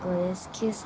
９歳。